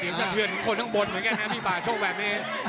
อย่าเชื่อนคนข้างบนเหมือนแค่นั้นพี่ป่าโชคแบบนี้